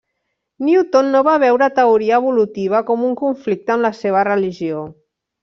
Newton no va veure teoria evolutiva com un conflicte amb la seva religió.